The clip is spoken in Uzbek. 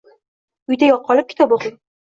Uyda qolib, kitob oʻqing!